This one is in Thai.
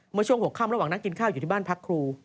เมื่อช่วงหัวค่ำระหว่างนั่งกินข้าวอยู่ที่บ้านพักครู